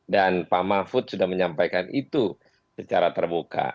dan pak mahfud sudah menyampaikan itu secara terbuka